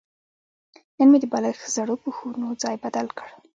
نن مې د بالښت زړو پوښونو ځای بدل کړ.